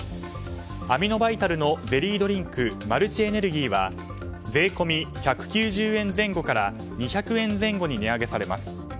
アミノバイタルのゼリードリンクマルチエネルギーは税込み１９０円前後から２００円前後に値上げされます。